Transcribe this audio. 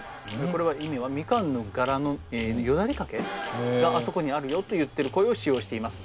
これは意味は「みかんの柄のよだれかけがあそこにあるよ」と言っている声を使用しています。